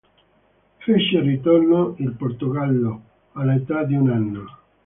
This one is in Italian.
Fece ritorno in Portogallo all'età di un anno.